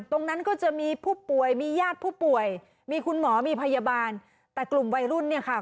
ก็จะมีผู้ป่วยมีญาติผู้ป่วยมีคุณหมอมีพยาบาลแต่กลุ่มวัยรุ่นเนี่ยค่ะ